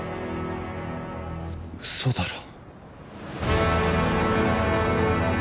嘘だろ。